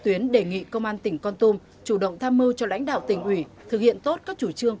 tuyến đề nghị công an tỉnh con tum chủ động tham mưu cho lãnh đạo tỉnh ủy thực hiện tốt các chủ trương